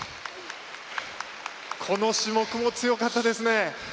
この種目も強かったですね。